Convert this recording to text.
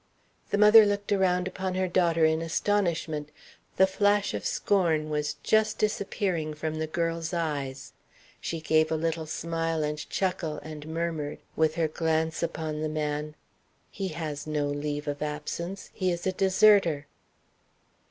The mother looked around upon her daughter in astonishment. The flash of scorn was just disappearing from the girl's eyes. She gave a little smile and chuckle, and murmured, with her glance upon the man: "He has no leave of absence. He is a deserter."